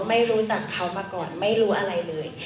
ไม่รู้จักเขามาก่อนไม่รู้อะไรเลย